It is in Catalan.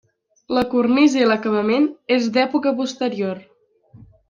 La cornisa i l'acabament és d'època posterior.